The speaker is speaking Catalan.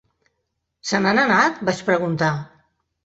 "Se n'han anat?", vaig preguntar.